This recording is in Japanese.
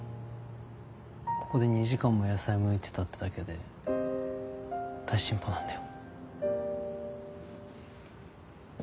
ここで２時間も野菜むいてたってだけで大進歩なんだよ。